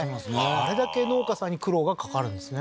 あれだけ農家さんに苦労がかかるんですね